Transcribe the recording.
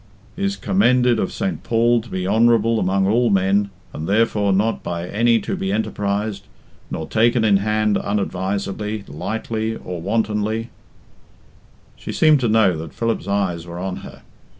".... is commended of Saint Paul to be honourable among all men, and therefore not by any to be enterprised, nor taken in hand unadvisedly, lightly, or wantonly " She seemed to know that Philip's eyes were on her.